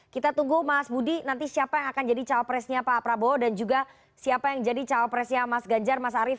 kita tunggu mas budi nanti siapa yang akan jadi cawapresnya pak prabowo dan juga siapa yang jadi cawapresnya mas ganjar mas arief